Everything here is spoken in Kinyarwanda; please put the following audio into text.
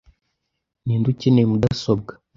Ninde ukeneye mudasobwa?